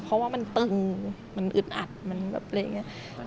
เพราะว่ามันตึงมันอึดอัดมันแบบอะไรอย่างนี้